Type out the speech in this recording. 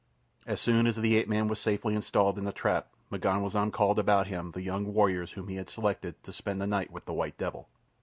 As soon as the ape man was safely installed in the trap, M'Ganwazam called about him the young warriors whom he had selected to spend the night with the white devil!